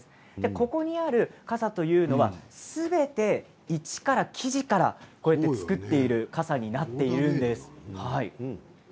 ここにある傘というのはすべて一から生地から作っている傘になっています。